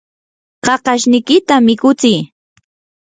kakashniykita mikutsii